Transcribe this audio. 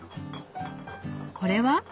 これは？